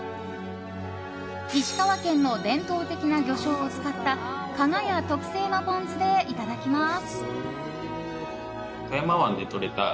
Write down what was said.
石川県の伝統的な魚醤を使った加賀屋特製のポン酢でいただきます。